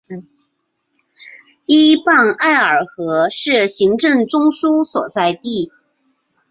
依傍艾尔河是行政中枢所在地。